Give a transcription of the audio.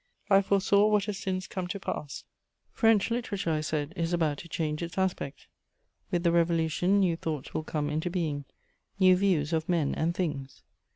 _ I foresaw what has since come to pass: "French literature," I said, "is about to change its aspect; with the Revolution new thoughts will come into being, new views of men and things.